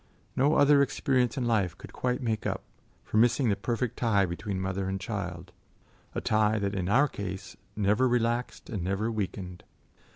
No other experience in life could quite make up for missing the perfect tie between mother and child a tie that in our case never relaxed and never weakened.